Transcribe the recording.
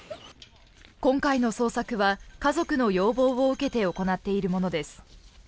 今回の捜索は家族の要望を受けて行っているものです。